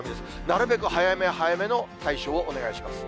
なるべく早め早めの対処をお願いします。